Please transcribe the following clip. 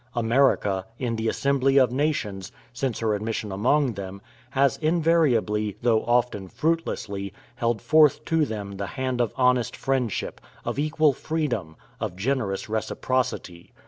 America, in the assembly of nations, since her admission among them, has invariably, though often fruitlessly, held forth to them the hand of honest friendship, of equal freedom, of generous reciprocity.